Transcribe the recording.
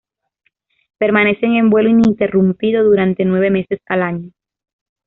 Permanecen en vuelo ininterrumpido durante nueve meses al año.